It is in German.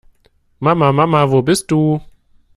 Mama, Mama, wo bist du?